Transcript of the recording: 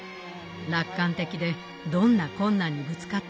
楽観的でどんな困難にぶつかっても耐え抜く。